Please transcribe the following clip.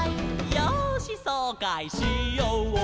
「よーしそうかいしようかい」